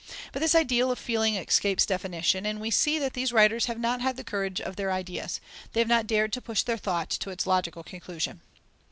But this ideal of feeling escapes definition, and we see that these writers have not had the courage of their ideas: they have not dared to push their thought to its logical conclusion.